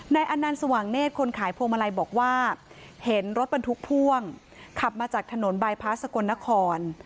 อนันต์สว่างเนธคนขายพวงมาลัยบอกว่าเห็นรถบรรทุกพ่วงขับมาจากถนนบายพลาสกลนคร